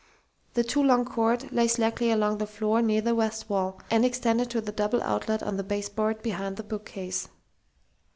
The too long cord lay slackly along the floor near the west wall, and extended to the double outlet on the baseboard behind the bookcase....